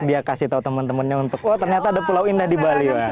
biar kasih tahu teman temannya ternyata ada pulau indah di bali